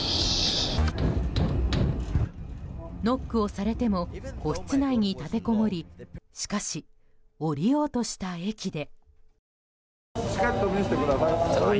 ノックをされても個室内に立てこもりしかし、降りようとした駅で。